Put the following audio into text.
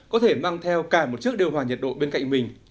có thể mang theo cả một chiếc điều hòa nhiệt độ bên cạnh mình